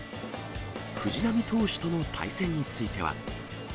藤浪投手との対戦については。